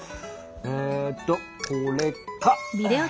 えとこれか！